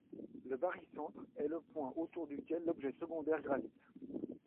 Le barycentre est le point autour duquel l'objet secondaire gravite.